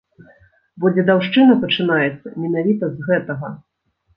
Бо дзедаўшчына пачынаецца менавіта з гэтага.